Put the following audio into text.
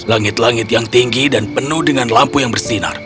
langit langit yang tinggi dan penuh dengan lampu yang bersinar